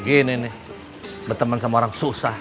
ini nih berteman sama orang susah